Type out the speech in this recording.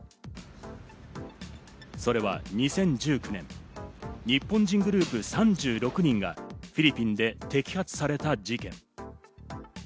それは２０１９年、日本人グループ３６人がフィリピンで摘発された事件。